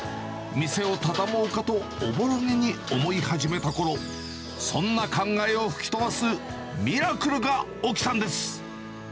店を畳もうかとおぼろげに思い始めたころ、そんな考えを吹き飛ばすミラクルが起きたんです。